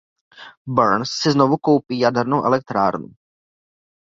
Burns si znovu koupí jadernou elektrárnu.